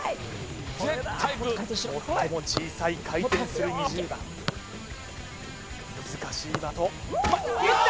最も小さい回転する２０番難しい的いった！